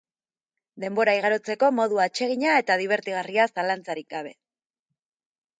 Denbora igarotzeko modu atsegina eta dibertigarria zalantzarik gabe.